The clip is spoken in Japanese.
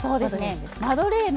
マドレーヌ